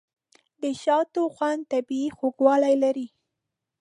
د شاتو خوند طبیعي خوږوالی لري.